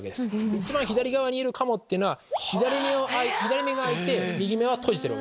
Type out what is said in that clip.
一番左側にいるカモっていうのは左目が開いて右目は閉じてる。